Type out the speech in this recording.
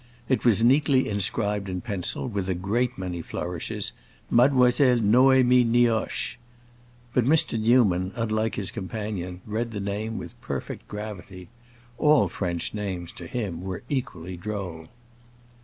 It was neatly inscribed in pencil, with a great many flourishes, "Mlle. Noémie Nioche." But Mr. Newman, unlike his companion, read the name with perfect gravity; all French names to him were equally droll.